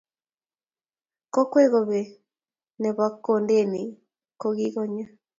Kokwee kobek ne bo Kondeni ko kikonye